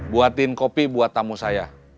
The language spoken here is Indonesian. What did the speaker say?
buatin kopi buat tamu saya